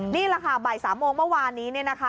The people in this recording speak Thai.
นี่แหละค่ะบ่าย๓โมงเมื่อวานนี้เนี่ยนะคะ